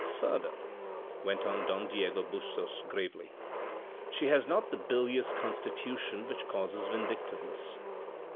Further," went on Don Diego Bustos gravely, " she has not the bilious constitution which causes vindictiveness.